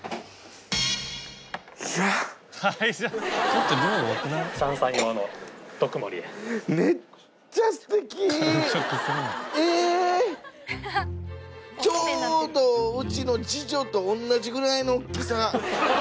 ちょうどうちの次女と同じぐらいの大きさ！